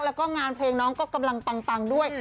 แล้วก็งานเพลงน้องก็กำลังปังด้วย